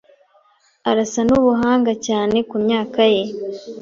Arasa nubuhanga cyane kumyaka ye.